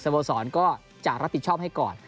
โบสรก็จะรับผิดชอบให้ก่อน